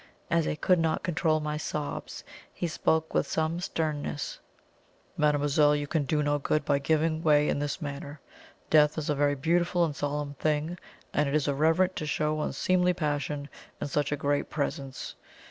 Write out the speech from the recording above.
As I could not control my sobs, he spoke with some sternness: "Mademoiselle, you can do no good by giving way in this manner. Death is a very beautiful and solemn thing, and it is irreverent to show unseemly passion in such a great Presence.